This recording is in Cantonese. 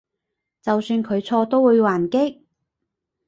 就算佢錯都會還擊？